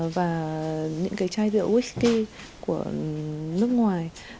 và những cái chai rượu whisky của nước ngoài